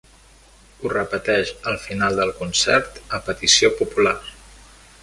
Ho repeteix al final del concert, a petició popular.